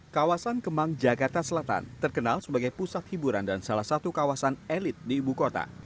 kawasan kemang jakarta selatan terkenal sebagai pusat hiburan dan salah satu kawasan elit di ibu kota